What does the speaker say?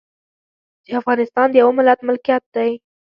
چې افغانستان د يوه ملت ملکيت دی.